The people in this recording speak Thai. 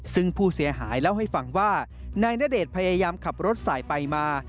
ซึ่งผู้เสียหายเล่าให้ฟังว่านายณเดชน์พยายามขับรถสายไปมา